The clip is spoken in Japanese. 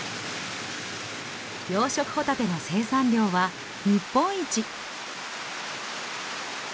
養殖ホタテの生産量は日本一。